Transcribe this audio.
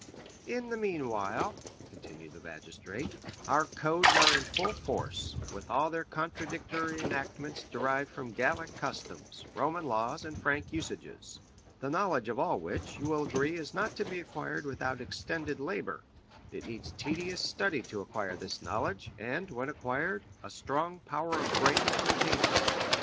"In the meanwhile," continued the magistrate, "our codes are in full force, with all their contradictory enactments derived from Gallic customs, Roman laws, and Frank usages; the knowledge of all which, you will agree, is not to be acquired without extended labor; it needs tedious study to acquire this knowledge, and, when acquired, a strong power of brain to retain it."